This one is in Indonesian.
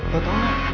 gak tau gak